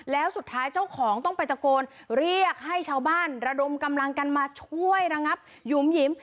แล้วสุดท้ายเจ้าของต้องไปตะโกนเรียกให้ชาวบ้านระดมกำลังกันมาช่วยระงับหยุมหยิม